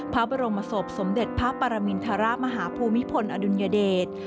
พระบรมศพสมเด็จพระปรมินทรมาฮภูมิพลอดุลยเดช